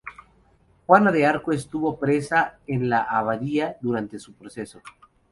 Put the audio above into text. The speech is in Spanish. Juana de Arco estuvo presa en la abadía durante su proceso.